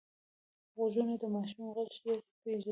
غوږونه د ماشوم غږ ژر پېژني